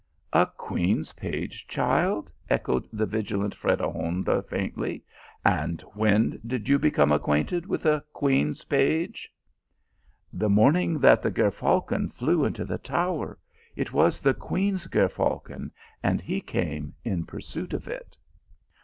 "A queen s page, child," echoed the vigilant Fre degonda faintly, " and when did you become ac quainted with a queen s page? "" The morning that the ger falcon flew into the THE ROSE OF THE ALHAMBRA. 231 tower. It was the queen s ger falcon, and he came in pursuit of it."